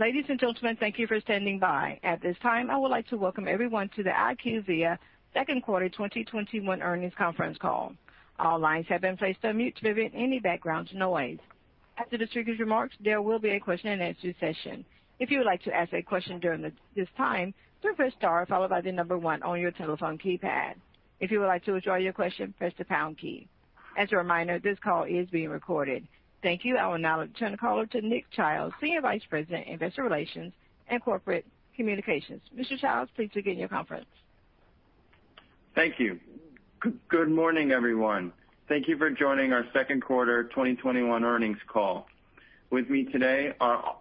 Ladies and gentlemen, thank you for standing by. At this time, I would like to welcome everyone to the IQVIA second quarter 2021 earnings conference call. All lines have been placed on mute to prevent any background noise. After the speaker's remarks, there will be a question-and-answer session. If you would like to ask a question during this time, press star followed by the number one on your telephone keypad. If you would like to withdraw your question, press the pound key. As a reminder, this call is being recorded. Thank you. I will now turn the call over to Nick Childs, Senior Vice President, Investor Relations and Corporate Communications. Mr. Childs, please begin your conference. Thank you. Good morning, everyone. Thank you for joining our second quarter 2021 earnings call. With me today are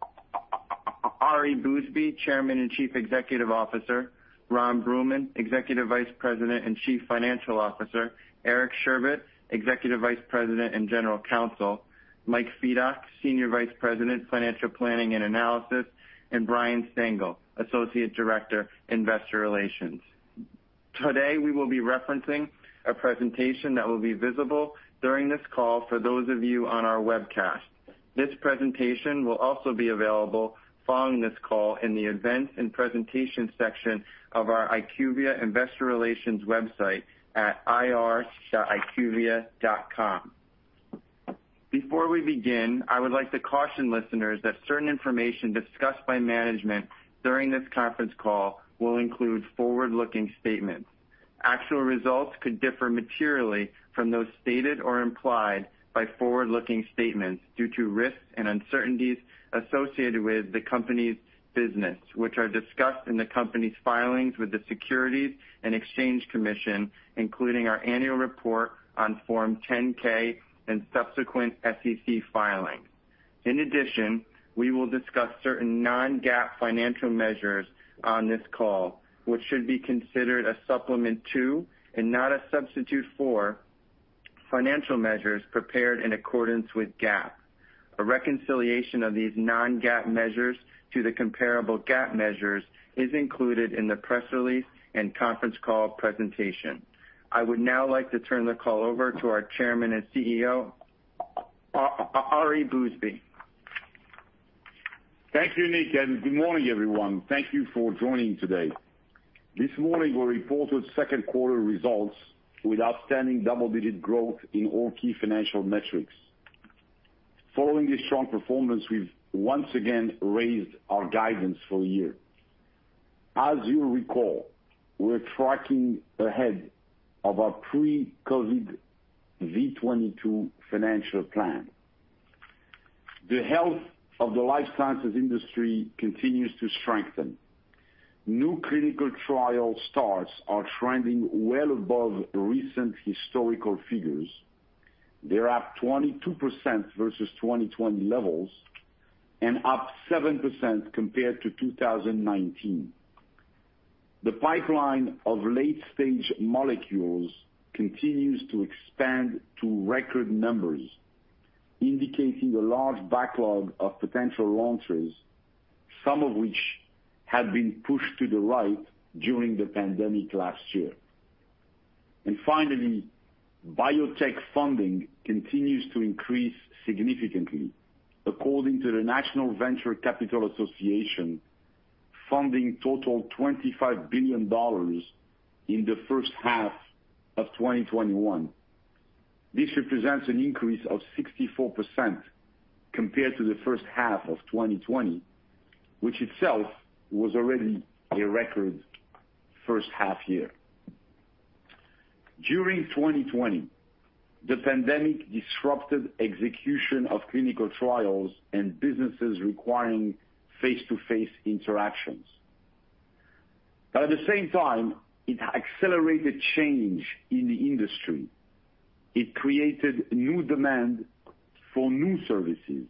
Ari Bousbib, Chairman and Chief Executive Officer, Ron Bruehlman, Executive Vice President and Chief Financial Officer, Eric Sherbet, Executive Vice President and General Counsel, Mike Fedock, Senior Vice President, Financial Planning and Analysis, and Brian Stengel, Associate Director, Investor Relations. Today, we will be referencing a presentation that will be visible during this call for those of you on our webcast. This presentation will also be available following this call in the Events and Presentation section of our IQVIA Investor Relations website at ir.iqvia.com. Before we begin, I would like to caution listeners that certain information discussed by management during this conference call will include forward-looking statements. Actual results could differ materially from those stated or implied by forward-looking statements due to risks and uncertainties associated with the company's business, which are discussed in the company's filings with the Securities and Exchange Commission, including our annual report on Form 10-K and subsequent SEC filings. In addition, we will discuss certain non-GAAP financial measures on this call, which should be considered a supplement to and not a substitute for financial measures prepared in accordance with GAAP. A reconciliation of these non-GAAP measures to the comparable GAAP measures is included in the press release and conference call presentation. I would now like to turn the call over to our Chairman and CEO, Ari Bousbib. Thank you, Nick, and good morning, everyone. Thank you for joining today. This morning, we reported second-quarter results with outstanding double-digit growth in all key financial metrics. Following this strong performance, we've once again raised our guidance for the year. As you'll recall, we're tracking ahead of our pre-COVID V22 financial plan. The health of the life sciences industry continues to strengthen. New clinical trial starts are trending well above recent historical figures. They're up 22% versus 2020 levels and up 7% compared to 2019. The pipeline of late-stage molecules continues to expand to record numbers, indicating a large backlog of potential launches, some of which have been pushed to the right during the pandemic last year. Finally, biotech funding continues to increase significantly. According to the National Venture Capital Association, funding totaled $25 billion in the first half of 2021. This represents an increase of 64% compared to the first half of 2020, which itself was already a record first half year. During 2020, the pandemic disrupted execution of clinical trials and businesses requiring face-to-face interactions. At the same time, it accelerated change in the industry. It created new demand for new services.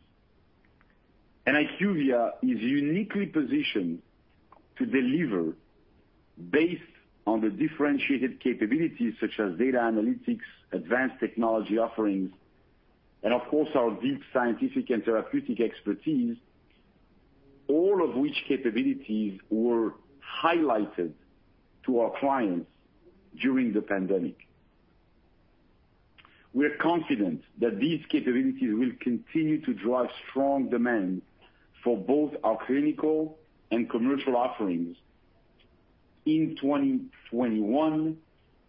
IQVIA is uniquely positioned to deliver based on the differentiated capabilities such as data analytics, advanced technology offerings, and of course, our deep scientific and therapeutic expertise, all of which capabilities were highlighted to our clients during the pandemic. We are confident that these capabilities will continue to drive strong demand for both our clinical and commercial offerings in 2021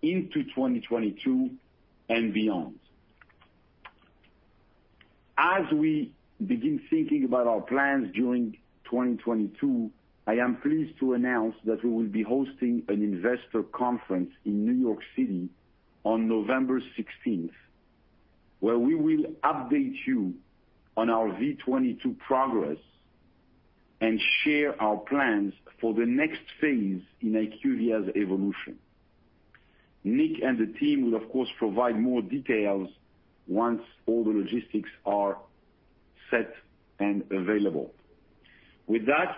into 2022 and beyond. As we begin thinking about our plans during 2022, I am pleased to announce that we will be hosting an investor conference in New York City on November 16th, where we will update you on our V22 progress and share our plans for the next phase in IQVIA's evolution. Nick and the team will, of course, provide more details once all the logistics are set and available. With that,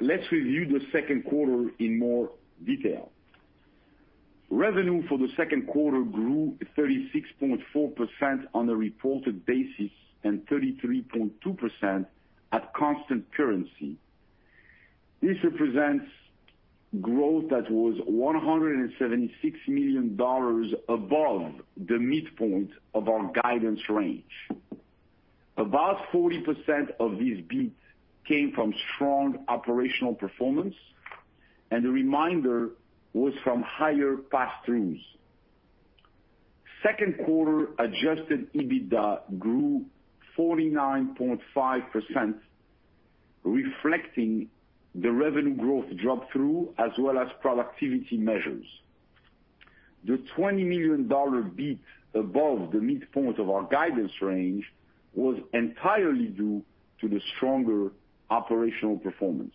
let's review the second quarter in more detail. Revenue for the second quarter grew 36.4% on a reported basis and 33.2% at constant currency. This represents growth that was $176 million above the midpoint of our guidance range. About 40% of this beat came from strong operational performance, and the remainder was from higher pass-throughs. Second quarter adjusted EBITDA grew 49.5%, reflecting the revenue growth drop-through, as well as productivity measures. The $20 million beat above the midpoint of our guidance range was entirely due to the stronger operational performance.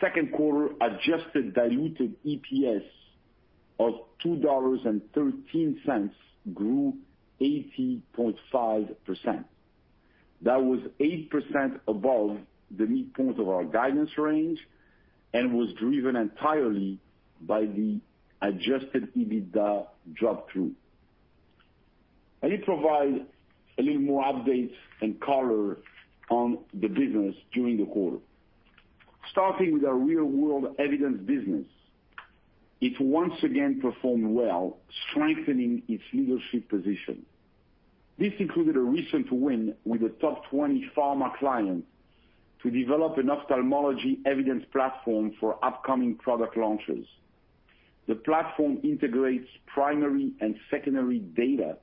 Second quarter adjusted diluted EPS of $2.13 grew 80.5%. That was 8% above the midpoint of our guidance range and was driven entirely by the adjusted EBITDA drop-through. Let me provide a little more updates and color on the business during the quarter. Starting with our Real World Evidence business. It once again performed well, strengthening its leadership position. This included a recent win with a top 20 pharma client to develop an ophthalmology evidence platform for upcoming product launches. The platform integrates primary and secondary data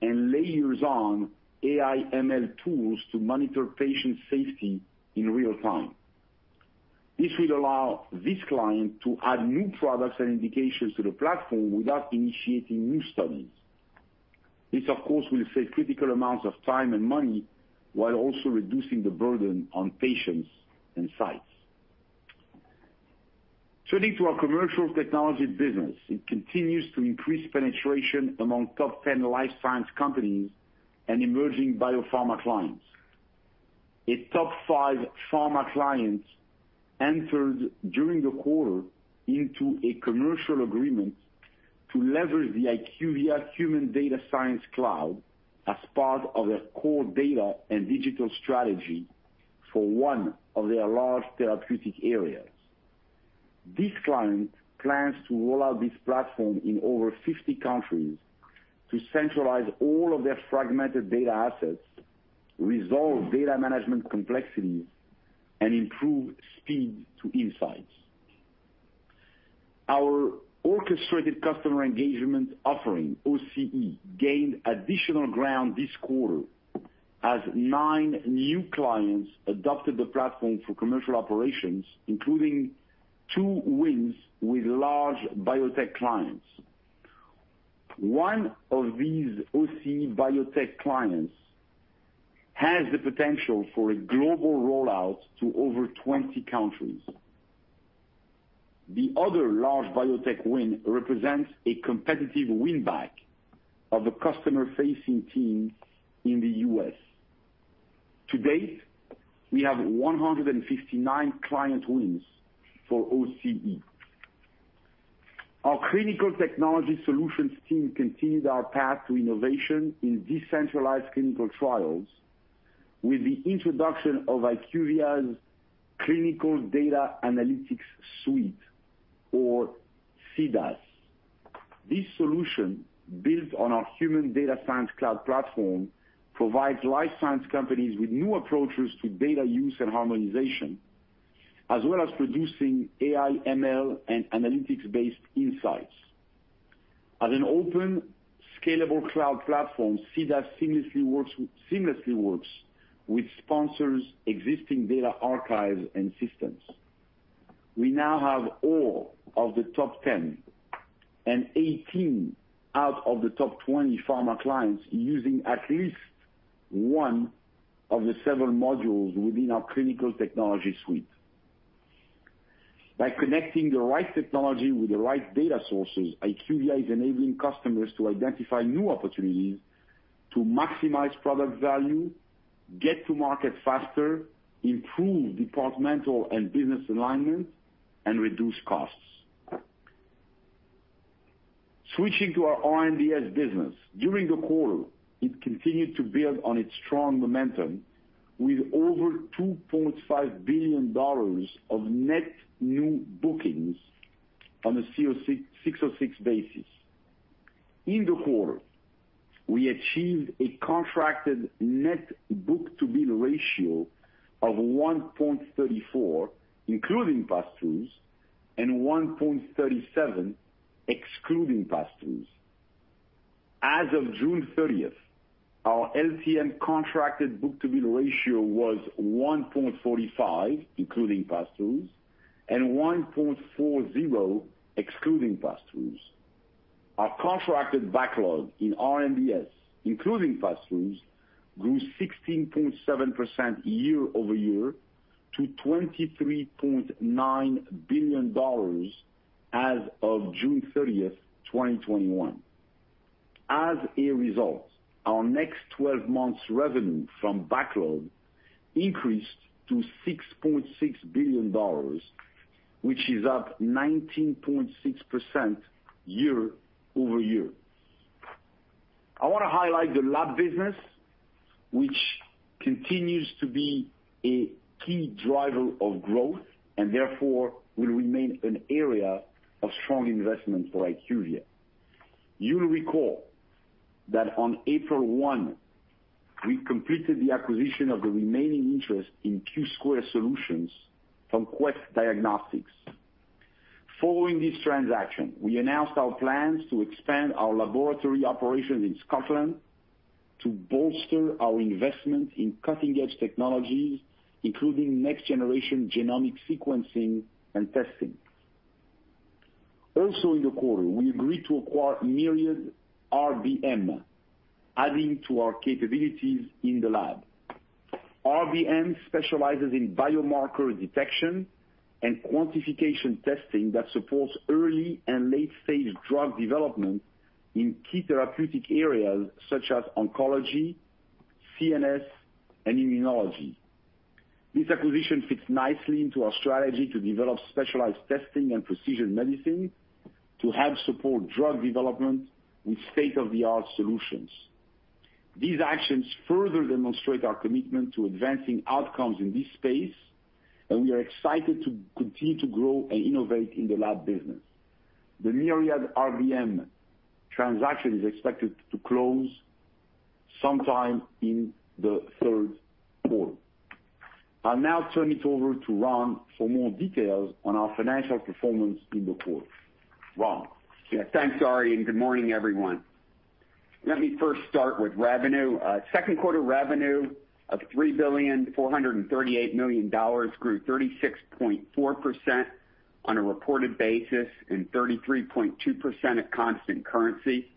and layers on AI ML tools to monitor patient safety in real-time. This will allow this client to add new products and indications to the platform without initiating new studies. This, of course, will save critical amounts of time and money while also reducing the burden on patients and sites. Turning to our Commercial Technologies business. It continues to increase penetration among top 10 life science companies and emerging biopharma clients. A top five pharma client entered during the quarter into a commercial agreement to leverage the IQVIA Human Data Science Cloud as part of their core data and digital strategy for one of their large therapeutic areas. This client plans to roll out this platform in over 50 countries to centralize all of their fragmented data assets, resolve data management complexities, and improve speed to insights. Our Orchestrated Customer Engagement offering, OCE, gained additional ground this quarter as nine new clients adopted the platform for commercial operations, including two wins with large biotech clients. One of these OCE biotech clients has the potential for a global rollout to over 20 countries. The other large biotech win represents a competitive win-back of a customer-facing team in the U.S. To date, we have 159 client wins for OCE. Our Clinical Technology Solutions team continued our path to innovation in decentralized clinical trials with the introduction of IQVIA's Clinical Data Analytics Suite or CDAS. This solution, built on our Human Data Science Cloud platform, provides life science companies with new approaches to data use and harmonization, as well as producing AI, ML, and analytics-based insights. As an open, scalable cloud platform, CDAS seamlessly works with sponsors existing data archives and systems. We now have all of the top 10 and 18 out of the top 20 pharma clients using at least one of the several modules within our Clinical Technology Suite. By connecting the right technology with the right data sources, IQVIA is enabling customers to identify new opportunities to maximize product value, get to market faster, improve departmental and business alignment, and reduce costs. Switching to our R&DS business. During the quarter, it continued to build on its strong momentum with over $2.5 billion of net new bookings on a 606 basis. In the quarter, we achieved a contracted net book-to-bill ratio of 1.34, including pass-throughs, and 1.37 excluding pass-throughs. As of June 30th, our LTM contracted book-to-bill ratio was 1.45, including pass-throughs, and 1.40 excluding pass-throughs. Our contracted backlog in R&DS, including pass-throughs, grew 16.7% year-over-year to $23.9 billion as of June 30th, 2021. As a result, our next 12 months revenue from backlog increased to $6.6 billion, which is up 19.6% year-over-year. I want to highlight the lab business, which continues to be a key driver of growth and therefore will remain an area of strong investment for IQVIA. You'll recall that on April 1, we completed the acquisition of the remaining interest in Q2 Solutions from Quest Diagnostics. Following this transaction, we announced our plans to expand our laboratory operations in Scotland to bolster our investment in cutting-edge technologies, including next-generation genomic sequencing and testing. Also in the quarter, we agreed to acquire Myriad RBM, adding to our capabilities in the lab. RBM specializes in biomarker detection and quantification testing that supports early and late-stage drug development in key therapeutic areas such as oncology, CNS, and immunology. This acquisition fits nicely into our strategy to develop specialized testing and precision medicine to help support drug development with state-of-the-art solutions. These actions further demonstrate our commitment to advancing outcomes in this space, and we are excited to continue to grow and innovate in the lab business. The Myriad RBM transaction is expected to close sometime in the third quarter. I'll now turn it over to Ron for more details on our financial performance in the quarter. Ron? Yeah. Thanks, Ari, and good morning, everyone. Let me first start with revenue. Second quarter revenue of $3,438,000,000 grew 36.4% on a reported basis and 33.2% at constant currency.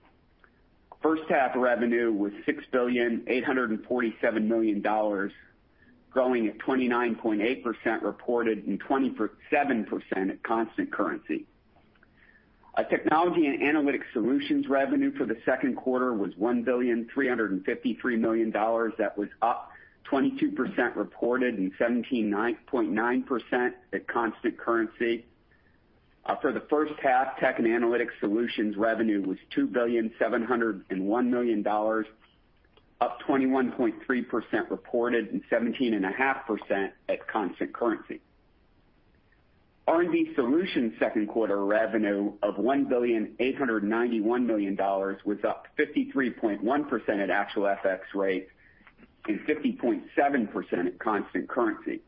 First half revenue was $6,847,000,000, growing at 29.8% reported and 27% at constant currency. Our Technology & Analytics Solutions revenue for the second quarter was $1,353,000,000. That was up 22% reported and 17.9% at constant currency. For the first half, Technology & Analytics Solutions revenue was $2,701,000,000, up 21.3% reported and 17.5% at constant currency. R&D Solutions second quarter revenue of $1,891,000,000 was up 53.1% at actual FX rates and 50.7% at constant currency.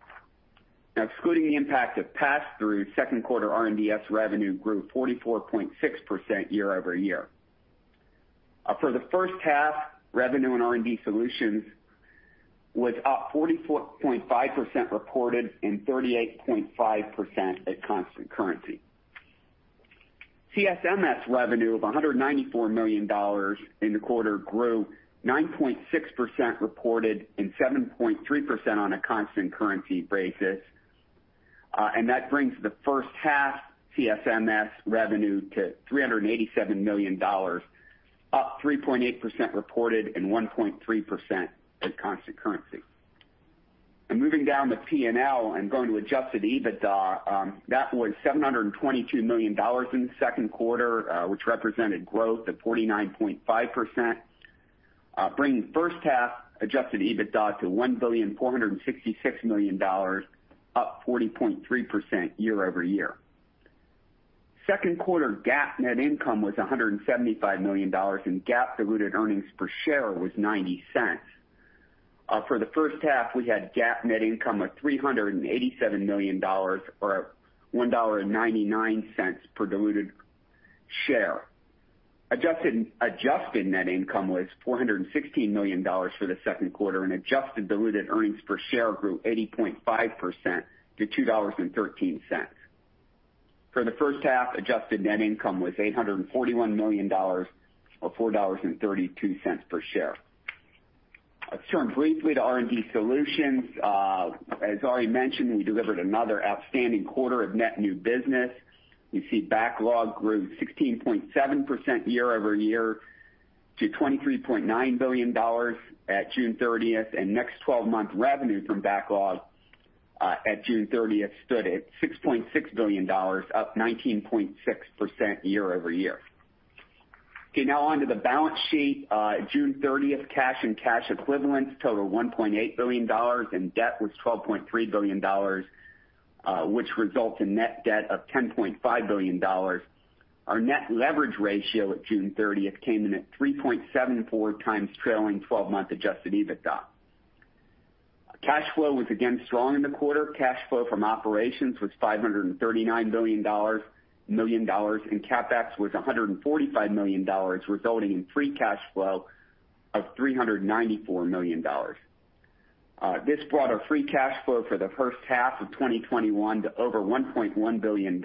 Excluding the impact of pass-through, second quarter R&DS revenue grew 44.6% year-over-year. For the first half, revenue and R&D Solutions was up 44.5% reported and 38.5% at constant currency. CSMS revenue of $194 million in the quarter grew 9.6% reported and 7.3% on a constant currency basis. That brings the first half CSMS revenue to $387 million, up 3.8% reported and 1.3% at constant currency. Moving down to P&L and going to adjusted EBITDA, that was $722 million in the second quarter, which represented growth of 49.5%, bringing first half adjusted EBITDA to $1,466,000,000, up 40.3% year-over-year. Second quarter GAAP net income was $175 million, and GAAP diluted earnings per share was $0.90. For the first half, we had GAAP net income of $387 million or $1.99 per diluted share. Adjusted net income was $416 million for the second quarter, and adjusted diluted earnings per share grew 80.5% to $2.13. For the first half, adjusted net income was $841 million or $4.32 per share. Let's turn briefly to R&DS. As Ari mentioned, we delivered another outstanding quarter of net new business. You see backlog grew 16.7% year-over-year to $23.9 billion at June 30th. Next 12-month revenue from backlog, at June 30th stood at $6.6 billion, up 19.6% year-over-year. Now on to the balance sheet. June 30th, cash and cash equivalents total $1.8 billion, and debt was $12.3 billion, which results in net debt of $10.5 billion. Our net leverage ratio at June 30th came in at 3.74x trailing 12-month adjusted EBITDA. Cash flow was again strong in the quarter. Cash flow from operations was $539 million, and CapEx was $145 million, resulting in free cash flow of $394 million. This brought our free cash flow for the first half of 2021 to over $1.1 billion,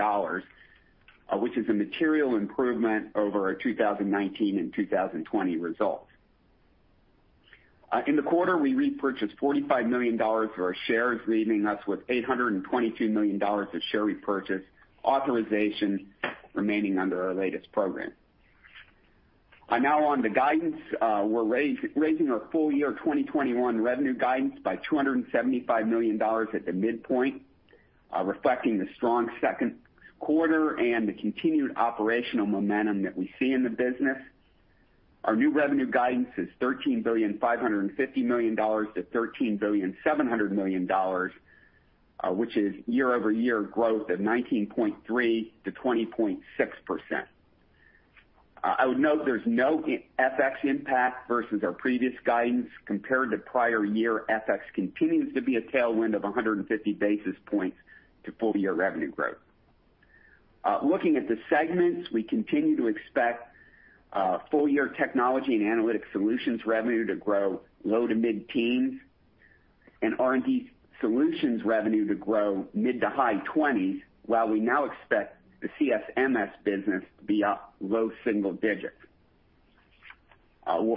which is a material improvement over our 2019 and 2020 results. In the quarter, we repurchased $45 million worth of shares, leaving us with $822 million of share repurchase authorization remaining under our latest program. Now on to guidance. We're raising our full-year 2021 revenue guidance by $275 million at the midpoint. Reflecting the strong second quarter and the continued operational momentum that we see in the business. Our new revenue guidance is $13 billion-$13.7 billion, which is year-over-year growth of 19.3%-20.6%. I would note there's no FX impact versus our previous guidance. Compared to prior year, FX continues to be a tailwind of 150 basis points to full-year revenue growth. Looking at the segments, we continue to expect full-year Technology & Analytics Solutions revenue to grow low to mid-teens and R&D Solutions revenue to grow mid to high 20s, while we now expect the CSMS business to be up low single digits.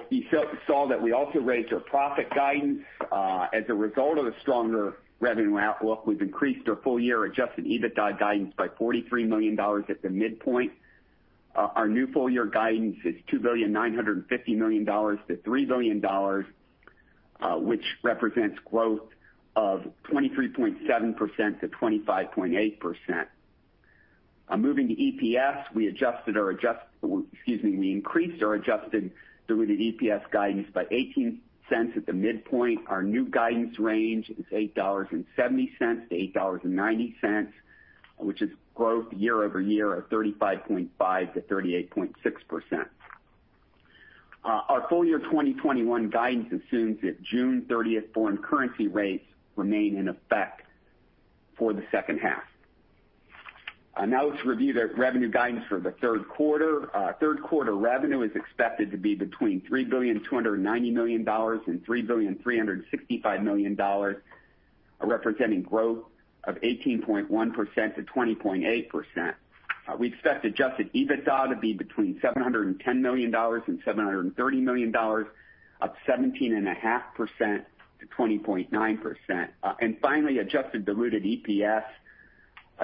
You saw that we also raised our profit guidance. As a result of the stronger revenue outlook, we've increased our full-year adjusted EBITDA guidance by $43 million at the midpoint. Our new full-year guidance is $2.95 billion-$3 billion, which represents growth of 23.7%-25.8%. Moving to EPS, we increased our adjusted diluted EPS guidance by $0.80 at the midpoint. Our new guidance range is $8.70-$8.90, which is growth year-over-year of 35.5%-38.6%. Our full-year 2021 guidance assumes that June 30th foreign currency rates remain in effect for the second half. Now let's review the revenue guidance for the third quarter. Third quarter revenue is expected to be between $3.29 billion and $3.365 billion, representing growth of 18.1%-20.8%. We expect adjusted EBITDA to be between $710 million and $730 million, up 17.5%-20.9%. Finally, adjusted diluted EPS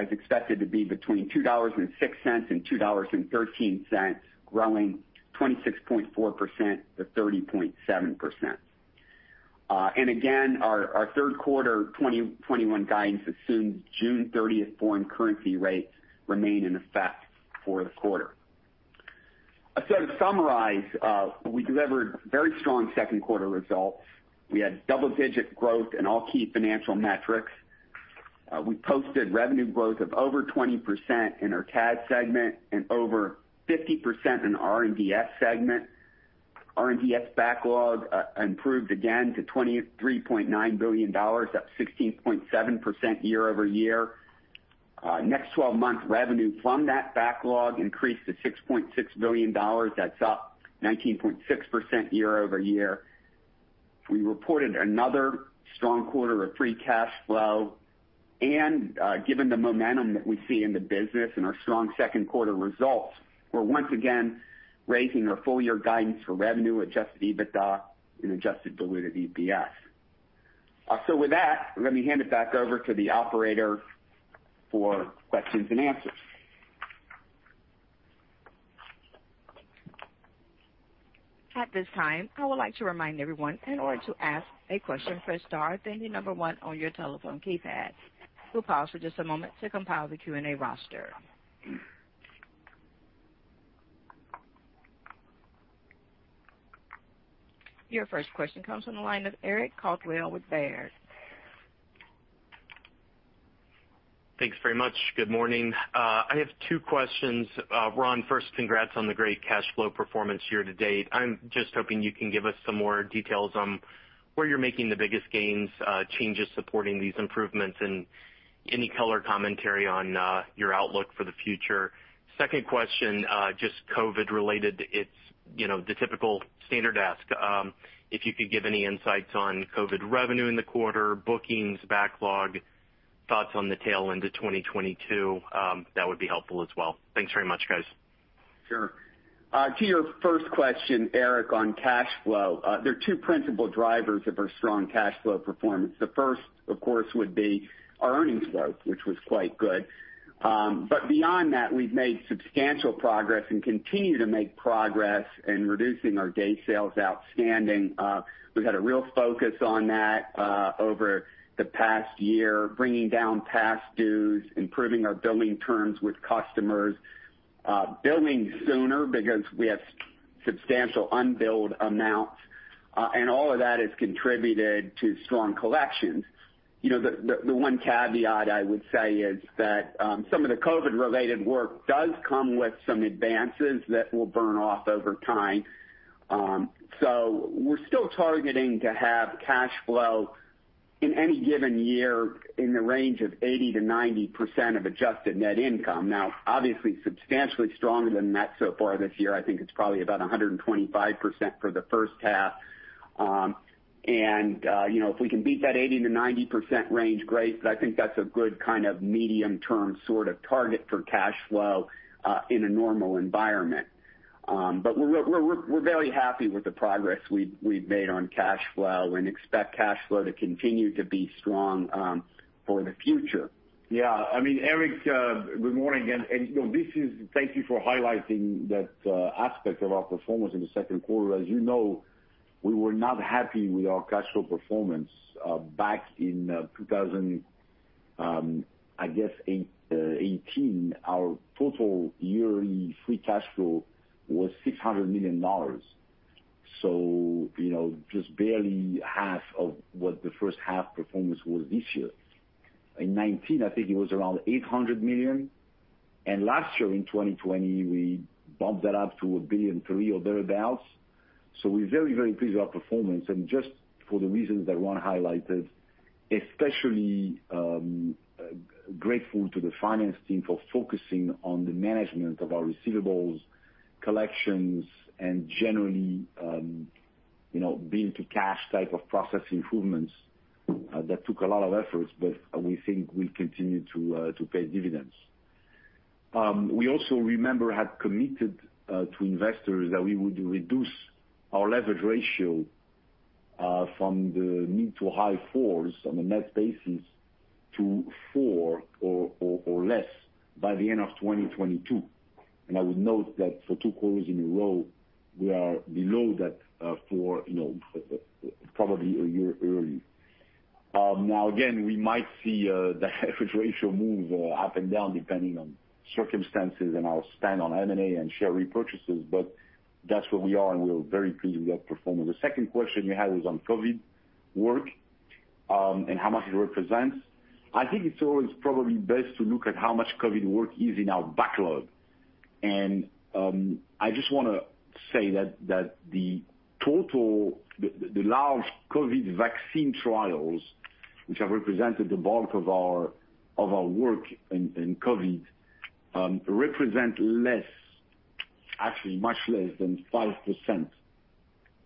is expected to be between $2.06 and $2.13, growing 26.4%-30.7%. Again, our third quarter 2021 guidance assumes June 30th foreign currency rates remain in effect for the quarter. To summarize, we delivered very strong second quarter results. We had double-digit growth in all key financial metrics. We posted revenue growth of over 20% in our TAS segment and over 50% in our R&DS segment. R&DS backlog improved again to $23.9 billion, up 16.7% year-over-year. Next 12-month revenue from that backlog increased to $6.6 billion. That's up 19.6% year-over-year. We reported another strong quarter of free cash flow. Given the momentum that we see in the business and our strong second quarter results, we're once again raising our full-year guidance for revenue, adjusted EBITDA, and adjusted diluted EPS. With that, let me hand it back over to the operator for questions and answers. At this time, I would like to remind everyone, in order to ask a question, press star, then the number one on your telephone keypad. We'll pause for just a moment to compile the Q&A roster. Your first question comes from the line of Eric Coldwell with Baird. Thanks very much. Good morning. I have two questions. Ron, first, congrats on the great cash flow performance year to date. I'm just hoping you can give us some more details on where you're making the biggest gains, changes supporting these improvements, and any color commentary on your outlook for the future. Second question, just COVID related. It's the typical standard ask. If you could give any insights on COVID revenue in the quarter, bookings, backlog, thoughts on the tail end of 2022, that would be helpful as well. Thanks very much, guys. Sure. To your first question, Eric Coldwell, on cash flow, there are two principal drivers of our strong cash flow performance. The first, of course, would be our earnings growth, which was quite good. Beyond that, we've made substantial progress and continue to make progress in reducing our day sales outstanding. We've had a real focus on that over the past year, bringing down past dues, improving our billing terms with customers, billing sooner because we have substantial unbilled amounts, and all of that has contributed to strong collections. The one caveat I would say is that some of the COVID-related work does come with some advances that will burn off over time. We're still targeting to have cash flow in any given year in the range of 80%-90% of adjusted net income. Now, obviously, substantially stronger than that so far this year. I think it's probably about 125% for the first half. If we can beat that 80%-90% range, great, I think that's a good medium-term sort of target for cash flow in a normal environment. We're very happy with the progress we've made on cash flow and expect cash flow to continue to be strong for the future. Eric Coldwell, good morning again. Thank you for highlighting that aspect of our performance in the second quarter. As you know, we were not happy with our cash flow performance back in 2018. Our total yearly free cash flow was $600 million. Just barely half of what the first half performance was this year. In 2019, I think it was around $800 million. Last year, in 2020, we bumped that up to $1.3 billion or thereabouts. We're very pleased with our performance. Just for the reasons that Ron Bruehlman highlighted, especially grateful to the finance team for focusing on the management of our receivables, collections, and generally, bill-to-cash type of process improvements that took a lot of efforts, but we think will continue to pay dividends. We also remember had committed to investors that we would reduce our leverage ratio from the mid to high fours on a net basis to four or less by the end of 2022. I would note that for two quarters in a row, we are below that four, probably a year early. Now again, we might see the leverage ratio move up and down, depending on circumstances and our stand on M&A and share repurchases, but that's where we are, and we're very pleased with that performance. The second question you had was on COVID work, and how much it represents. I think it's always probably best to look at how much COVID work is in our backlog. I just want to say that the large COVID vaccine trials, which have represented the bulk of our work in COVID, represent less, actually much less, than 5%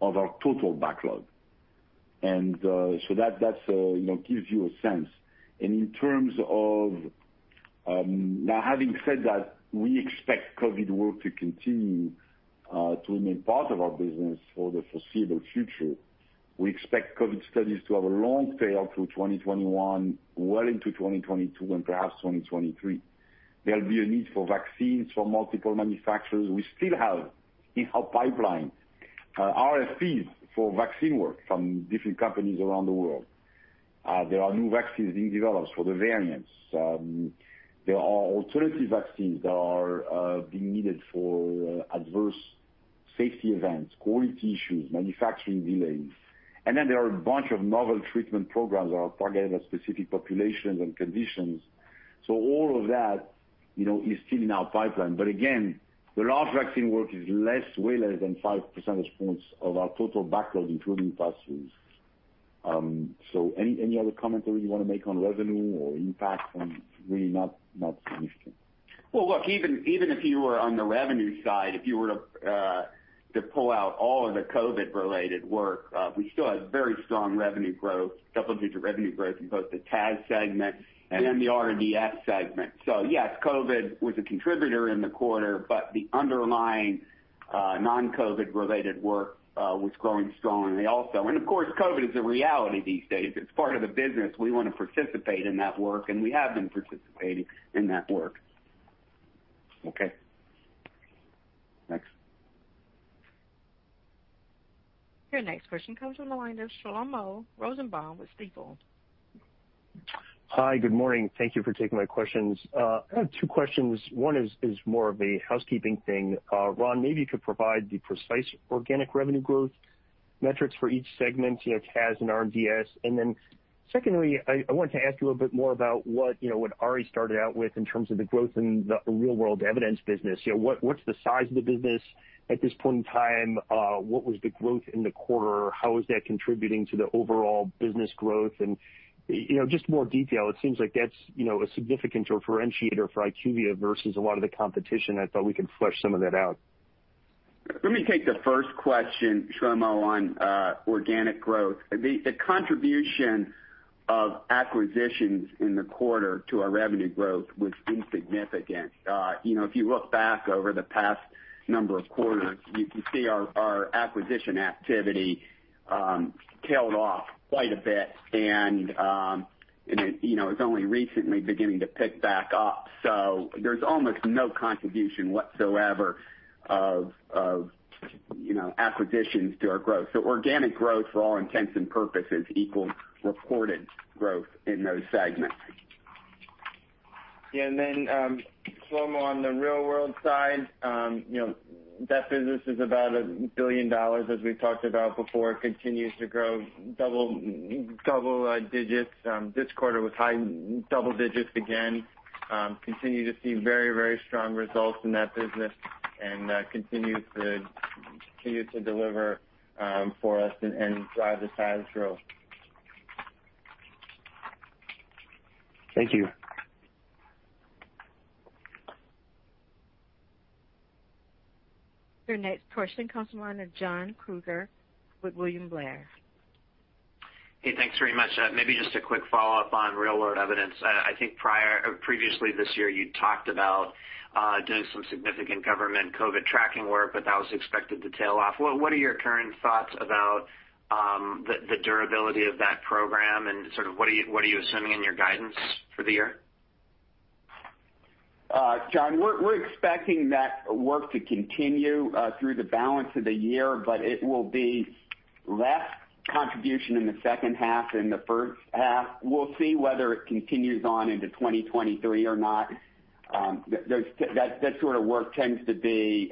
of our total backlog. That gives you a sense. Now, having said that, we expect COVID work to continue to remain part of our business for the foreseeable future. We expect COVID studies to have a long tail through 2021, well into 2022, and perhaps 2023. There'll be a need for vaccines from multiple manufacturers. We still have in our pipeline RFPs for vaccine work from different companies around the world. There are new vaccines being developed for the variants. There are alternative vaccines that are being needed for adverse safety events, quality issues, manufacturing delays. There are a bunch of novel treatment programs that are targeted at specific populations and conditions. All of that is still in our pipeline. Again, the large vaccine work is way less than 5 percentage points of our total backlog, including pass-throughs. Any other commentary you want to make on revenue or impact? It's really not significant. Well, look, even if you were on the revenue side, if you were to pull out all of the COVID-related work, we still had very strong revenue growth, double-digit revenue growth in both the TAS segment and in the R&DS segment. Yes, COVID was a contributor in the quarter, but the underlying non-COVID-related work was growing strongly also. Of course, COVID is a reality these days. It's part of the business. We want to participate in that work, and we have been participating in that work. Okay. Next. Your next question comes from the line of Shlomo Rosenbaum with Stifel. Hi, good morning. Thank you for taking my questions. I have two questions. One is more of a housekeeping thing. Ron, maybe you could provide the precise organic revenue growth metrics for each segment, TAS and R&DS. Secondly, I wanted to ask you a little bit more about what Ari started out with in terms of the growth in the Real World Evidence business. What's the size of the business at this point in time? What was the growth in the quarter? How is that contributing to the overall business growth? Just more detail. It seems like that's a significant differentiator for IQVIA versus a lot of the competition. I thought we could flesh some of that out. Let me take the first question, Shlomo, on organic growth. The contribution of acquisitions in the quarter to our revenue growth was insignificant. If you look back over the past number of quarters, you can see our acquisition activity tailed off quite a bit, and it's only recently beginning to pick back up. There's almost no contribution whatsoever of acquisitions to our growth. Organic growth, for all intents and purposes, equals reported growth in those segments. Yeah. Shlomo, on the Real World side, that business is about $1 billion, as we've talked about before. It continues to grow double digits. This quarter was high double digits again. Continue to see very strong results in that business and continues to deliver for us and drive the size growth. Thank you. Your next question comes from the line of John Kreger with William Blair. Hey, thanks very much. Maybe just a quick follow-up on Real World Evidence. I think previously this year, you talked about doing some significant government COVID tracking work, but that was expected to tail off. What are your current thoughts about the durability of that program, and what are you assuming in your guidance for the year? John, we're expecting that work to continue through the balance of the year, but it will be less contribution in the second half than the first half. We'll see whether it continues on into 2023 or not. That sort of work tends to be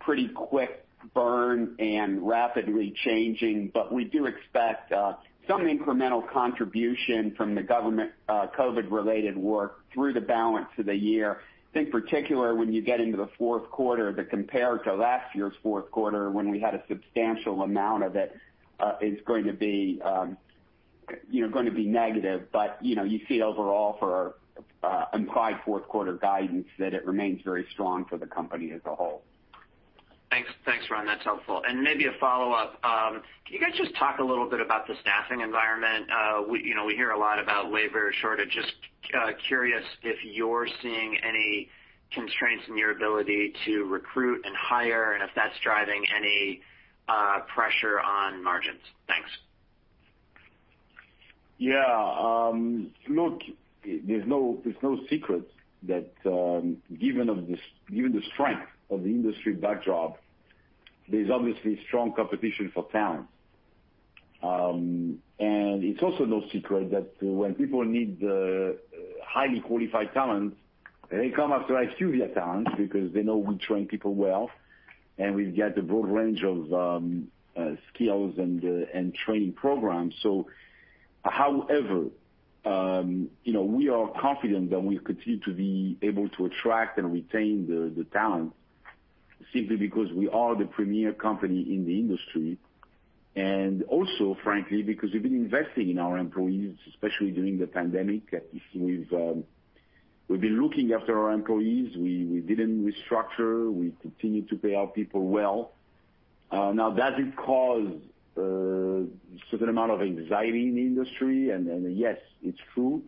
pretty quick burn and rapidly changing. We do expect some incremental contribution from the government COVID-related work through the balance of the year. I think particularly when you get into the fourth quarter, that compared to last year's fourth quarter, when we had a substantial amount of it, is going to be negative. You see it overall for our implied fourth quarter guidance that it remains very strong for the company as a whole. Thanks, Ron. That's helpful. Maybe a follow-up. Can you guys just talk a little bit about the staffing environment? We hear a lot about labor shortage. Just curious if you're seeing any constraints in your ability to recruit and hire, and if that's driving any pressure on margins. Thanks. Yeah. Look, there's no secret that given the strength of the industry backdrop, there's obviously strong competition for talent. It's also no secret that when people need highly qualified talent, they come after IQVIA talent because they know we train people well, and we've got a broad range of skills and training programs. However, we are confident that we'll continue to be able to attract and retain the talent simply because we are the premier company in the industry. Also, frankly, because we've been investing in our employees, especially during the pandemic. We've been looking after our employees. We didn't restructure. We continued to pay our people well. Now, does it cause a certain amount of anxiety in the industry? Yes, it's true.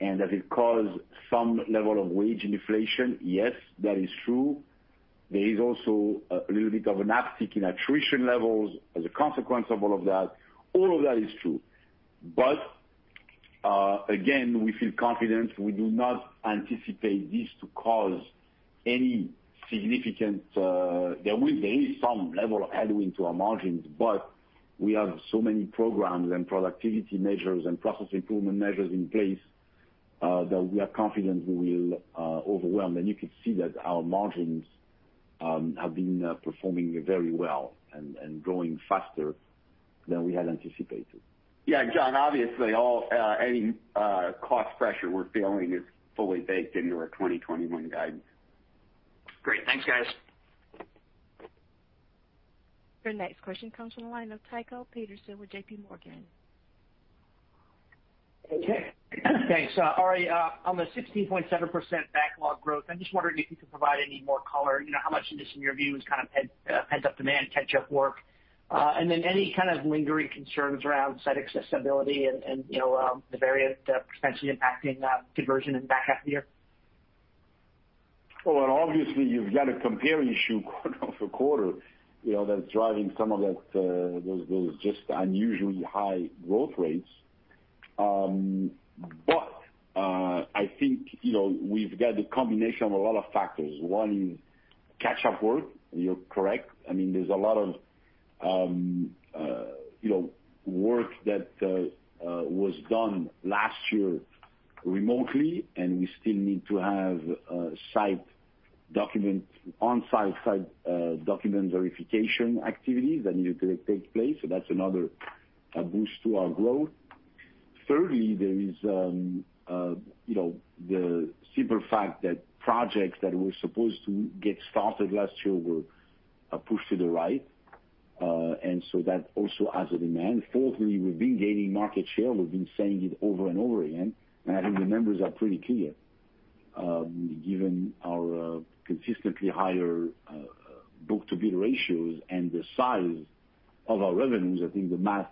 Does it cause some level of wage inflation? Yes, that is true. There is also a little bit of an uptick in attrition levels as a consequence of all of that. All of that is true. Again, we feel confident. There is some level of headwind to our margins, but we have so many programs and productivity measures and process improvement measures in place that we are confident we will overwhelm. You can see that our margins have been performing very well and growing faster than we had anticipated. Yeah. John, obviously, any cost pressure we're feeling is fully baked into our 2021 guidance. Great. Thanks, guys. Your next question comes from the line of Tycho Peterson with JPMorgan. Okay. Thanks. Ari, on the 16.7% backlog growth, I'm just wondering if you could provide any more color. How much of this in your view is pent-up demand, catch-up work? Any kind of lingering concerns around site accessibility and the variant potentially impacting conversion in the back half of the year? Well, obviously you've got a compare issue quarter-over-quarter that's driving some of those just unusually high growth rates. I think we've got a combination of a lot of factors. One is catch-up work. You're correct. There's a lot of work that was done last year remotely, and we still need to have on-site document verification activities that need to take place. That's another boost to our growth. Thirdly, there is the simple fact that projects that were supposed to get started last year were pushed to the right. That also adds a demand. Fourthly, we've been gaining market share. We've been saying it over and over again, and I think the numbers are pretty clear. Given our consistently higher book-to-bill ratios and the size of our revenues, I think the math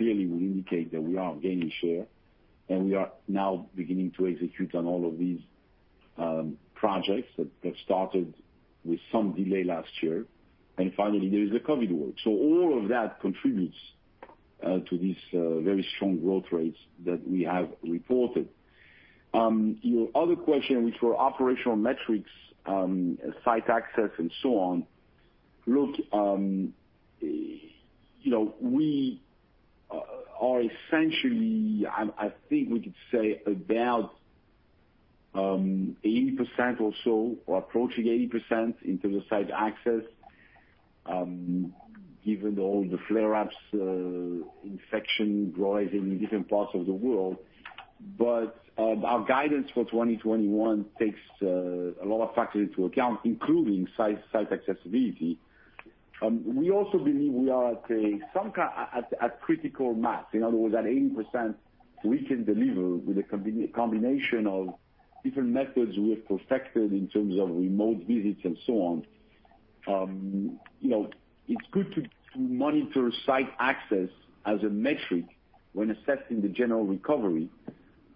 clearly would indicate that we are gaining share. We are now beginning to execute on all of these projects that started with some delay last year. Finally, there is the COVID work. All of that contributes to these very strong growth rates that we have reported. Your other question, which were operational metrics, site access, and so on. Look, we are essentially, I think we could say about 80% or so, or approaching 80% in terms of site access, given all the flare-ups, infection rising in different parts of the world. Our guidance for 2021 takes a lot of factors into account, including site accessibility. We also believe we are at critical mass. In other words, at 80%, we can deliver with a combination of different methods we have perfected in terms of remote visits and so on. It's good to monitor site access as a metric when assessing the general recovery,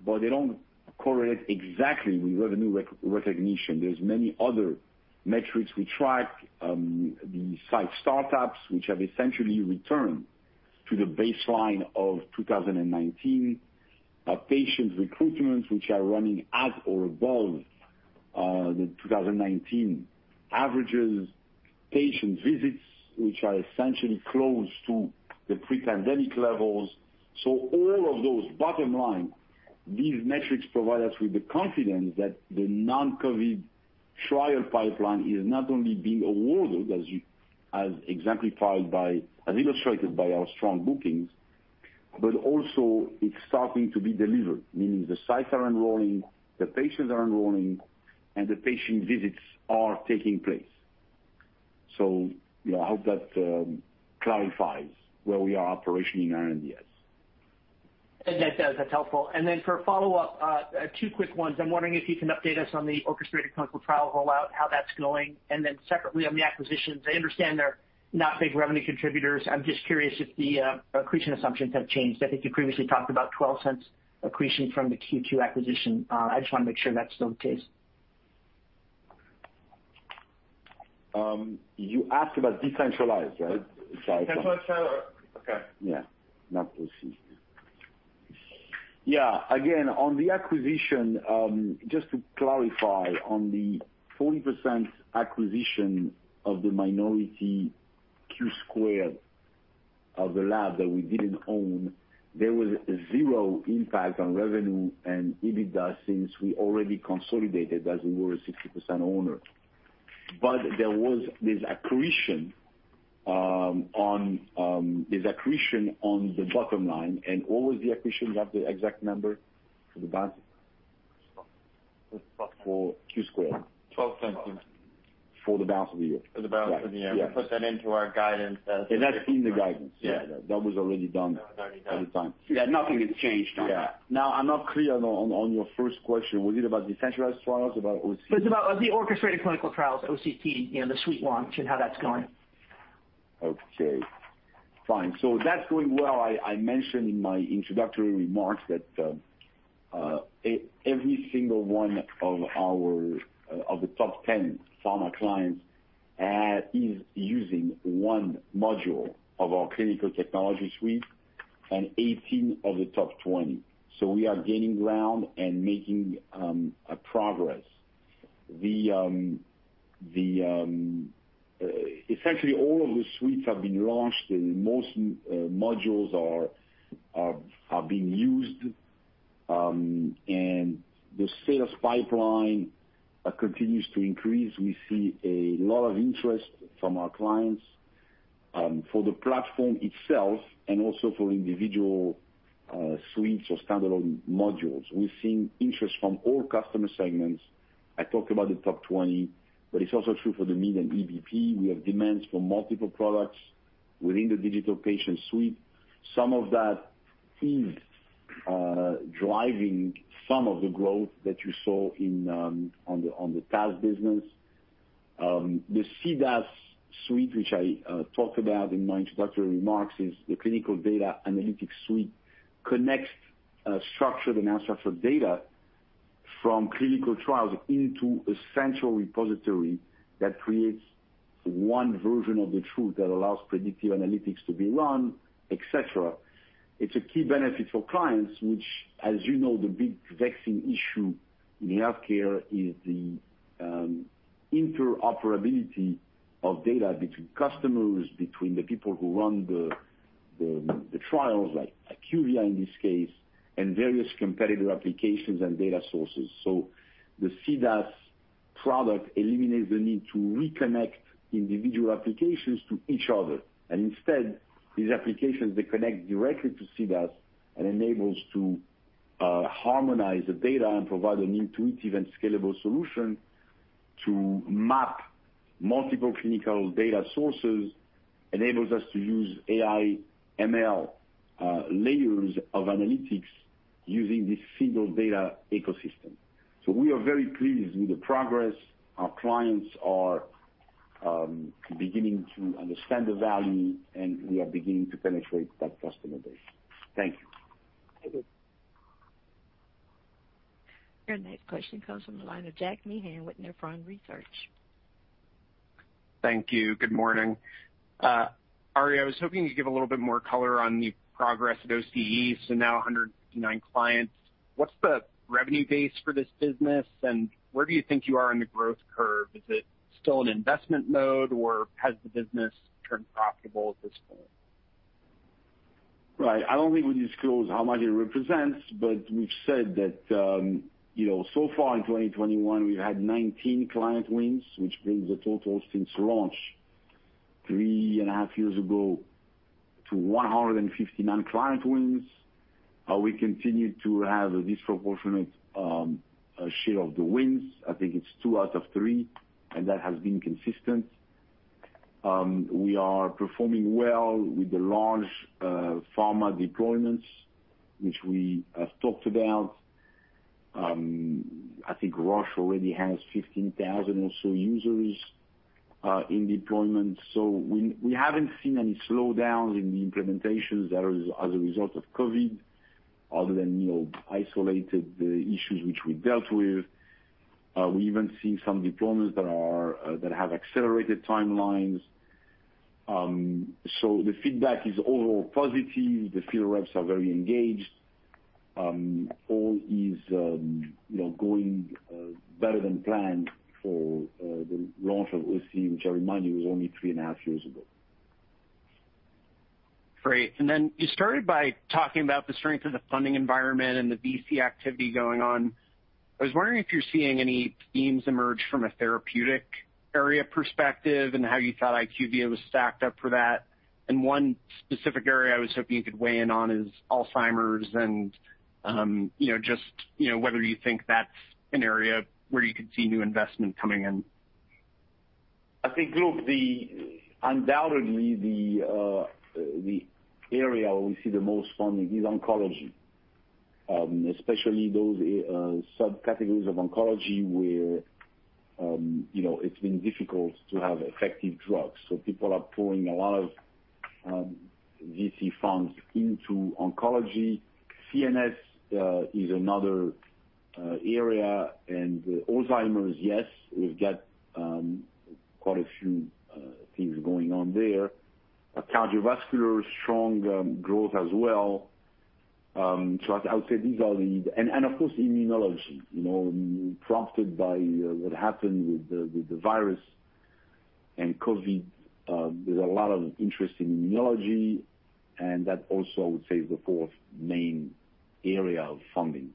but they don't correlate exactly with revenue recognition. There's many other metrics we track. The site startups, which have essentially returned to the baseline of 2019. Our patient recruitments, which are running at or above the 2019 averages. Patient visits, which are essentially close to the pre-pandemic levels. All of those, bottom line, these metrics provide us with the confidence that the non-COVID trial pipeline is not only being awarded, as illustrated by our strong bookings, but also it's starting to be delivered. Meaning the sites are enrolling, the patients are enrolling, and the patient visits are taking place. I hope that clarifies where we are operationally in R&DS. That does. That's helpful. Then for a follow-up, two quick ones. I'm wondering if you can update us on the Orchestrated Clinical Trials rollout, how that's going. Then separately on the acquisitions. I understand they're not big revenue contributors. I'm just curious if the accretion assumptions have changed. I think you previously talked about $0.12 accretion from the Q2 acquisition. I just want to make sure that's still the case. You asked about decentralized, right? Decentralized trial. Okay. Yeah. Yeah. Again, on the acquisition, just to clarify on the 40% acquisition of the minority Q2 Solutions of the lab that we didn't own, there was zero impact on revenue and EBITDA since we already consolidated as we were a 60% owner. There's accretion on the bottom line and all of the accretion, do you have the exact number for the balance? For the bottom line. For Q2 Solutions. $0.12. For the balance of the year. Right. Yes. We put that into our guidance as. That's in the guidance. That was already done at the time. Yeah. Nothing has changed on that. Yeah. I'm not clear on your first question. Was it about decentralized trials? About OCT? It's about the Orchestrated Clinical Trials, OCT. The suite launch and how that's going. Okay, fine. That's going well. I mentioned in my introductory remarks that every single one of the top 10 pharma clients is using one module of our Clinical Technology Suite and 18 of the top 20. We are gaining ground and making progress. Essentially all of the suites have been launched, and most modules are being used. The sales pipeline continues to increase. We see a lot of interest from our clients for the platform itself and also for individual suites or standalone modules. We're seeing interest from all customer segments. I talked about the top 20, but it's also true for the mid and EBP. We have demands for multiple products within the Digital Patient Suite. Some of that is driving some of the growth that you saw on the TAS business. The CDAS suite, which I talked about in my introductory remarks, is the Clinical Data Analytics Suite, connects structured and unstructured data from clinical trials into a central repository that creates one version of the truth that allows predictive analytics to be run, et cetera. It's a key benefit for clients, which, as you know, the big vexing issue in healthcare is the interoperability of data between customers, between the people who run the trials, like IQVIA in this case, and various competitor applications and data sources. The CDAS product eliminates the need to reconnect individual applications to each other. Instead, these applications, they connect directly to CDAS and enables to harmonize the data and provide an intuitive and scalable solution to map multiple clinical data sources, enables us to use AI, ML layers of analytics using this single data ecosystem. We are very pleased with the progress. Our clients are beginning to understand the value, and we are beginning to penetrate that customer base. Thank you. Thank you. Your next question comes from the line of Jack Meehan with Nephron Research. Thank you. Good morning. Ari, I was hoping you'd give a little bit more color on the progress at OCE, so now 159 clients. What's the revenue base for this business, and where do you think you are in the growth curve? Is it still in investment mode, or has the business turned profitable at this point? Right. I don't think we disclose how much it represents, but we've said that so far in 2021, we've had 19 client wins, which brings the total since launch three and a half years ago to 159 client wins. We continue to have a disproportionate share of the wins. I think it's two out of three, and that has been consistent. We are performing well with the large pharma deployments, which we have talked about. I think Roche already has 15,000 or so users in deployment. We haven't seen any slowdowns in the implementations as a result of COVID. Other than isolated issues which we dealt with. We even see some deployments that have accelerated timelines. The feedback is overall positive. The field reps are very engaged. All is going better than planned for the launch of OCE, which I remind you was only three and a half years ago. Great. You started by talking about the strength of the funding environment and the VC activity going on. I was wondering if you're seeing any themes emerge from a therapeutic area perspective, and how you thought IQVIA was stacked up for that. One specific area I was hoping you could weigh in on is Alzheimer's and just whether you think that's an area where you could see new investment coming in. I think, look, undoubtedly, the area where we see the most funding is oncology, especially those subcategories of oncology where it's been difficult to have effective drugs. People are pouring a lot of VC funds into oncology. CNS is another area, and Alzheimer's, yes, we've got quite a few things going on there. Cardiovascular, strong growth as well. Of course, immunology. Prompted by what happened with the virus and COVID, there's a lot of interest in immunology, and that also I would say, is the fourth main area of funding.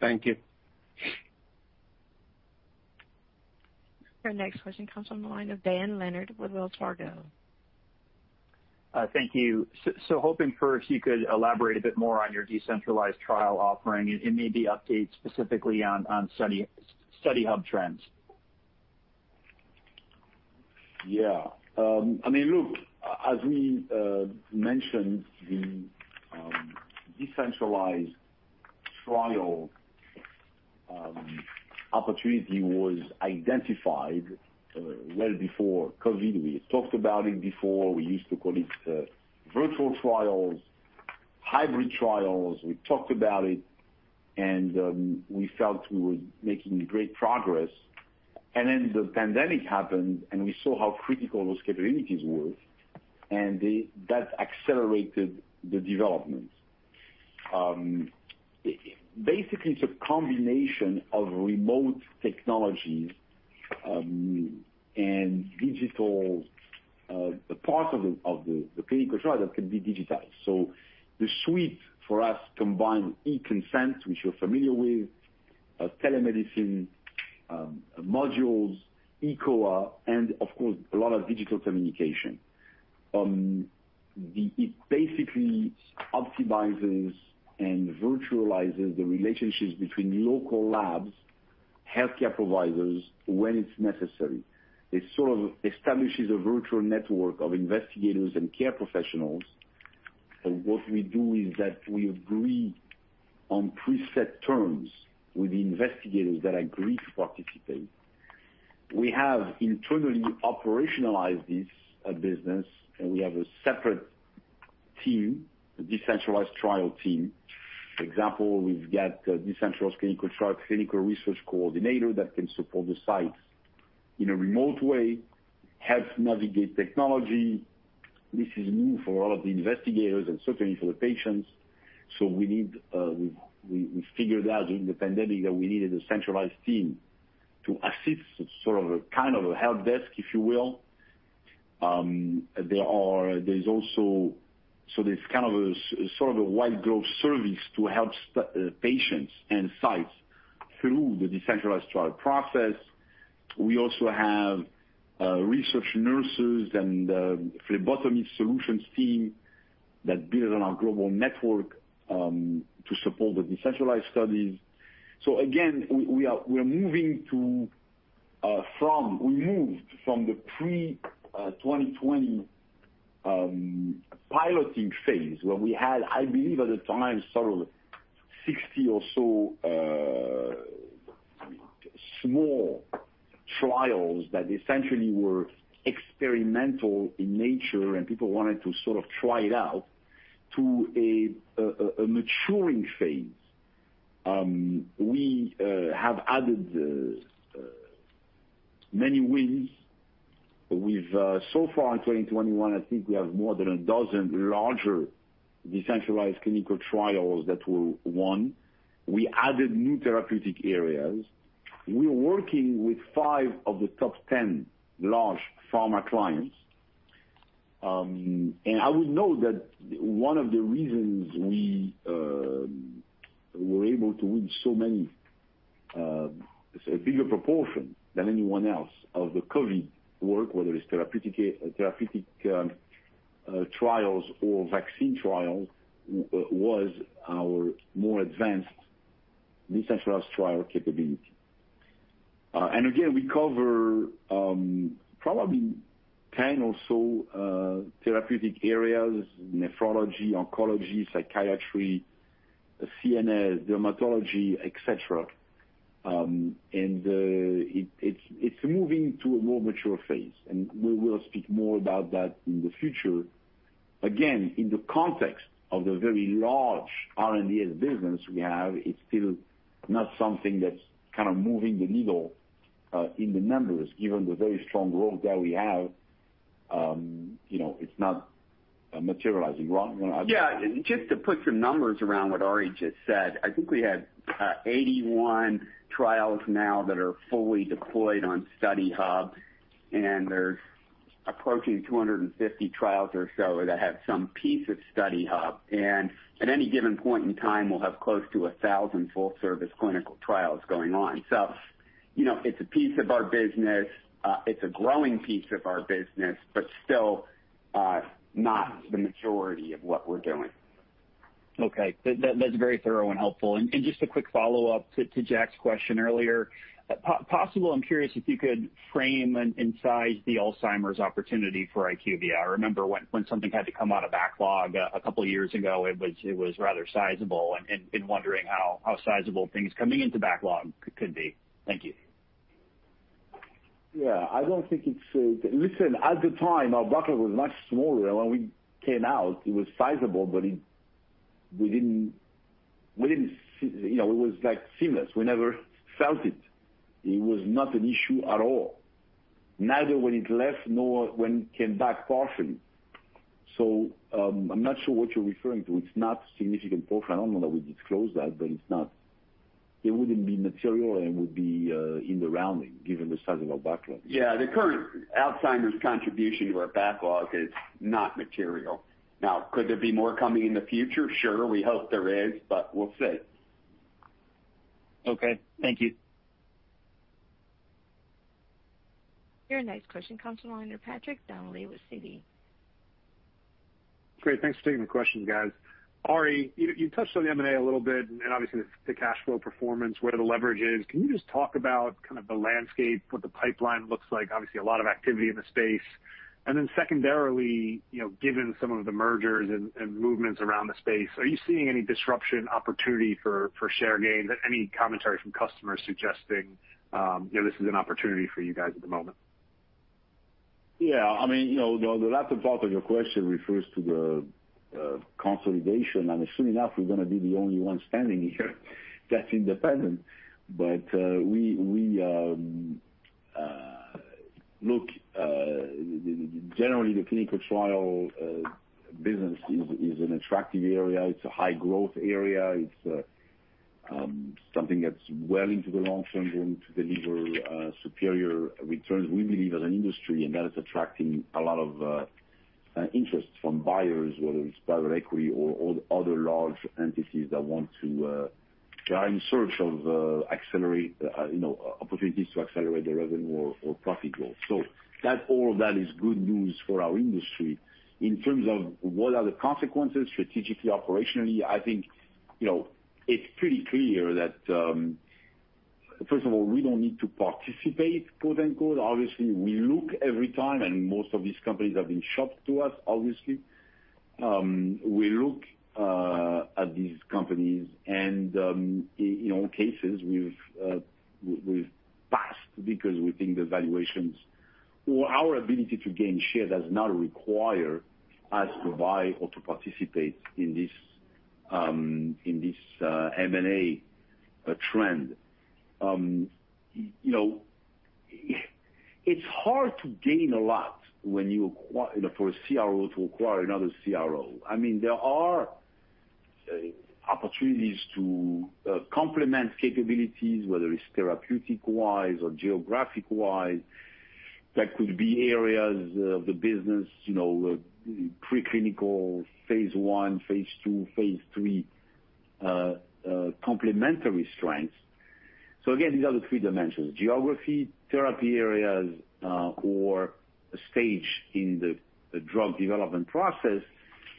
Thank you. Your next question comes from the line of Dan Leonard with Wells Fargo. Thank you. Hoping first you could elaborate a bit more on your decentralized trial offering, and maybe update specifically on Study Hub trends. Yeah. Look, as we mentioned, the decentralized trial opportunity was identified well before COVID. We talked about it before. We used to call it virtual trials, hybrid trials. We talked about it, and we felt we were making great progress. Then the pandemic happened, and we saw how critical those capabilities were, and that accelerated the development. Basically, it's a combination of remote technologies, and digital, the part of the clinical trial that can be digitized. The suite for us combines eConsent, which you're familiar with, telemedicine modules, eCOA, and of course, a lot of digital communication. It basically optimizes and virtualizes the relationships between local labs, healthcare providers, when it's necessary. It sort of establishes a virtual network of investigators and care professionals. What we do is that we agree on preset terms with the investigators that agree to participate. We have internally operationalized this business, and we have a separate team, a decentralized trial team. For example, we've got a decentralized clinical trial clinical research coordinator that can support the sites in a remote way, help navigate technology. This is new for a lot of the investigators and certainly for the patients. We figured out during the pandemic that we needed a centralized team to assist, sort of a kind of a help desk, if you will. There's kind of a sort of a white glove service to help patients and sites through the decentralized trial process. We also have research nurses and a phlebotomy solutions team that builds on our global network, to support the decentralized studies. Again, we moved from the pre-2020 piloting phase, where we had, I believe at the time, sort of 60 or so small trials that essentially were experimental in nature and people wanted to sort of try it out, to a maturing phase. We have added many wins. Far in 2021, I think we have more than a dozen larger decentralized clinical trials that were won. We added new therapeutic areas. We are working with five of the top 10 large pharma clients. I would note that one of the reasons we were able to win so many, a bigger proportion than anyone else of the COVID work, whether it's therapeutic trials or vaccine trials, was our more advanced decentralized trial capability. Again, we cover probably 10 or so therapeutic areas, nephrology, oncology, psychiatry, CNS, dermatology, et cetera. It's moving to a more mature phase, and we will speak more about that in the future. Again, in the context of the very large R&D business we have, it's still not something that's kind of moving the needle in the numbers, given the very strong growth that we have. It's not materializing. Ron, you want to add? Just to put some numbers around what Ari just said, I think we had 81 trials now that are fully deployed on Study Hub, and there's approaching 250 trials or so that have some piece of Study Hub. At any given point in time, we'll have close to 1,000 full-service clinical trials going on. It's a piece of our business. It's a growing piece of our business, but still not the majority of what we're doing. Okay. That's very thorough and helpful. Just a quick follow-up to Jack's question earlier. I'm curious if you could frame and size the Alzheimer's opportunity for IQVIA. I remember when something had to come out of backlog a couple of years ago, it was rather sizable, and wondering how sizable things coming into backlog could be. Thank you. Listen, at the time, our backlog was much smaller. When we came out, it was sizable, but it was like seamless. We never felt it. It was not an issue at all, neither when it left, nor when it came back partially. I'm not sure what you're referring to. It's not significant profile. I don't know that we disclosed that, but it wouldn't be material and would be in the rounding, given the size of our backlog. Yeah. The current Alzheimer's contribution to our backlog is not material. Now, could there be more coming in the future? Sure. We hope there is, but we'll see. Okay. Thank you. Your next question comes from the line of Patrick Donnelly with Citi. Great. Thanks for taking the question, guys. Ari, you touched on the M&A a little bit and obviously the cash flow performance, where the leverage is. Can you just talk about kind of the landscape, what the pipeline looks like? Obviously, a lot of activity in the space. Secondarily, given some of the mergers and movements around the space, are you seeing any disruption opportunity for share gains? Any commentary from customers suggesting this is an opportunity for you guys at the moment? Yeah. I mean, the latter part of your question refers to the consolidation. Soon enough, we're going to be the only one standing here that's independent. Look, generally, the clinical trial business is an attractive area. It's a high-growth area. It's something that's well into the long term, going to deliver superior returns, we believe, as an industry. That is attracting a lot of interest from buyers, whether it's private equity or other large entities that are in search of opportunities to accelerate their revenue or profit growth. All of that is good news for our industry. In terms of what are the consequences strategically, operationally, I think it's pretty clear that first of all, we don't need to "participate," quote unquote. Obviously, we look every time, and most of these companies have been shopped to us, obviously. We look at these companies and in all cases, we've passed because we think the valuations or our ability to gain share does not require us to buy or to participate in this M&A trend. It's hard to gain a lot for a CRO to acquire another CRO. There are opportunities to complement capabilities, whether it's therapeutic-wise or geographic-wise. That could be areas of the business, preclinical phase I, phase II, phase III complementary strengths. Again, these are the three dimensions, geography, therapy areas, or stage in the drug development process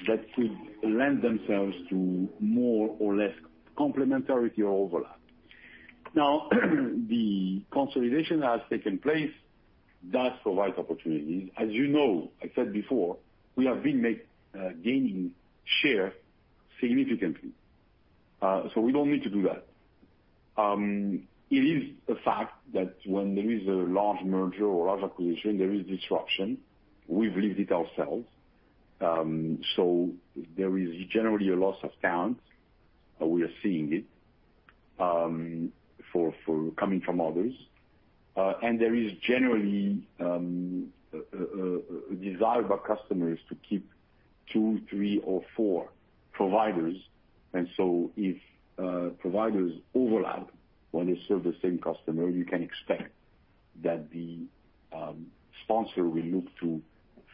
that could lend themselves to more or less complementarity or overlap. The consolidation that has taken place does provide opportunities. As you know, I said before, we have been gaining share significantly. We don't need to do that. It is a fact that when there is a large merger or large acquisition, there is disruption. We've lived it ourselves. There is generally a loss of talent. We are seeing it coming from others. There is generally a desire by customers to keep two, three, or four providers. If providers overlap when they serve the same customer, you can expect that the sponsor will look to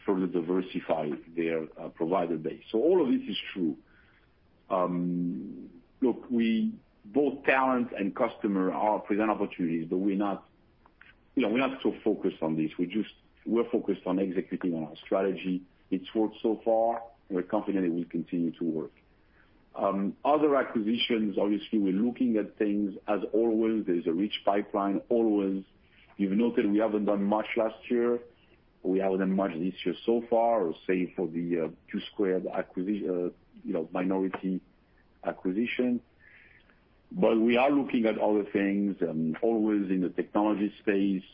further diversify their provider base. All of this is true. Look, both talent and customer present opportunities, we're not so focused on this. We're focused on executing on our strategy. It's worked so far. We're confident it will continue to work. Other acquisitions, obviously, we're looking at things as always. There's a rich pipeline always. You've noted we haven't done much last year. We haven't done much this year so far, or say, for the Q2 Solutions minority acquisition. We are looking at other things, always in the technology space.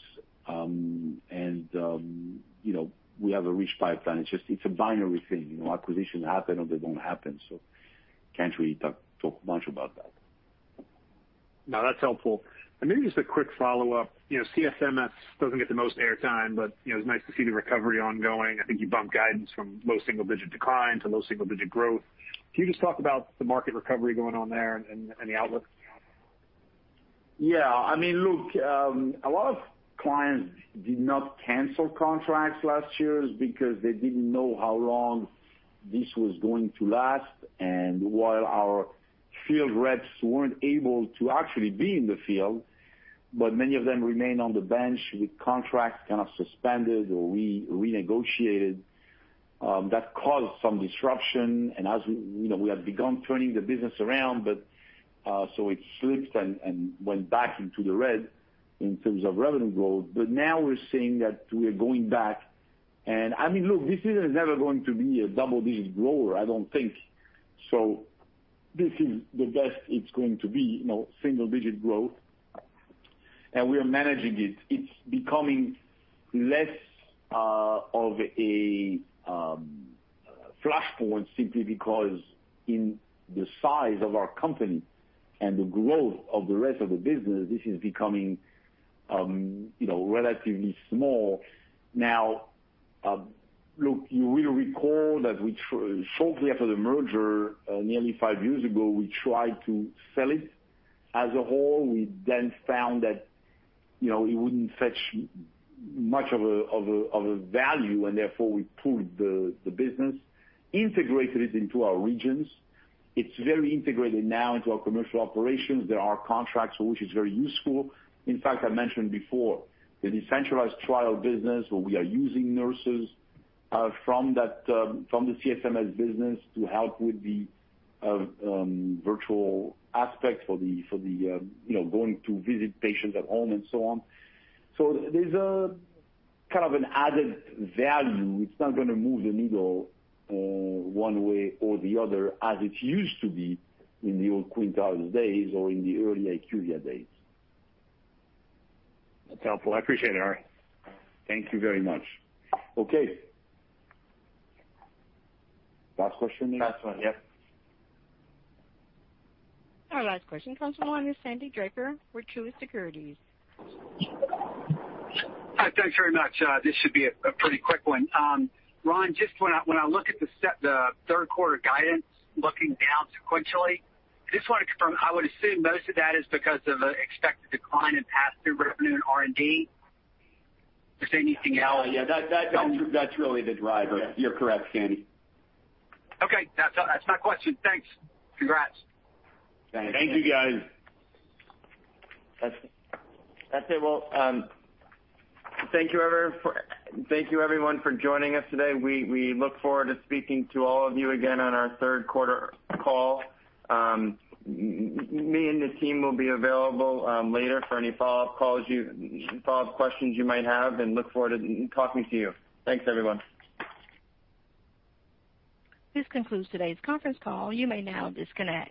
We have a rich pipeline. It's a binary thing. Acquisitions happen or they don't happen, so can't really talk much about that. No, that's helpful. Maybe just a quick follow-up. CSMS doesn't get the most air time, but it's nice to see the recovery ongoing. I think you bumped guidance from low single-digit decline to low single-digit growth. Can you just talk about the market recovery going on there and the outlook? Yeah. A lot of clients did not cancel contracts last year because they didn't know how long this was going to last. While our field reps weren't able to actually be in the field, many of them remained on the bench with contracts kind of suspended or renegotiated. That caused some disruption. As we have begun turning the business around, it slipped and went back into the red in terms of revenue growth. Now we're seeing that we're going back and this business is never going to be a double-digit grower, I don't think. This is the best it's going to be, single-digit growth. We are managing it. It's becoming less of a flashpoint simply because in the size of our company and the growth of the rest of the business, this is becoming relatively small. You will recall that shortly after the merger, nearly five years ago, we tried to sell it as a whole. We then found that it wouldn't fetch much of a value, and therefore, we pooled the business, integrated it into our regions. It's very integrated now into our commercial operations. There are contracts for which is very useful. I mentioned before, the decentralized trial business, where we are using nurses from the CSMS business to help with the virtual aspect for going to visit patients at home and so on. There's a kind of an added value. It's not going to move the needle one way or the other as it used to be in the old Quintiles days or in the early IQVIA days. That's helpful. I appreciate it, Ari. Thank you very much. Okay. Last question? Last one, yep. Our last question comes from the line of Sandy Draper with Truist Securities. Hi. Thanks very much. This should be a pretty quick one. Ron, just when I look at the third quarter guidance, looking down sequentially, I just want to confirm, I would assume most of that is because of an expected decline in pass-through revenue and R&D. Is there anything else? Yeah. That's really the driver. Okay. You're correct, Sandy. Okay. That's my question. Thanks. Congrats. Thanks. Thank you, guys. That's it. Well, thank you, everyone, for joining us today. We look forward to speaking to all of you again on our third quarter call. Me and the team will be available later for any follow-up questions you might have, and look forward to talking to you. Thanks, everyone. This concludes today's conference call. You may now disconnect.